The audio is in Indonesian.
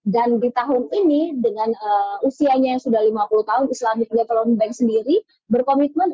dan di tahun ini dengan usianya yang sudah lima puluh tahun islamic development bank sendiri berkomitmen